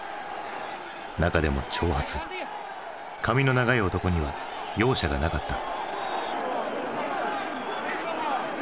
中でも長髪髪の長い男には容赦がなかった。